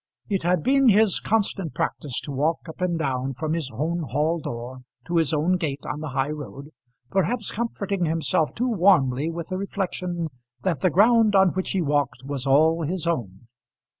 It had been his constant practice to walk up and down from his own hall door to his own gate on the high road, perhaps comforting himself too warmly with the reflection that the ground on which he walked was all his own.